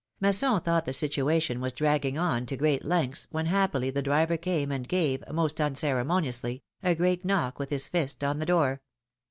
Masson thought the situation was dragging on to great lengths, when happily the driver came and gave, most unceremoniously, a great knock with his fist on the door.